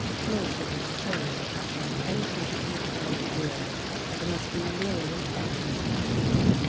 Most of these children have not had anything to eat for a year and must be nearly famished."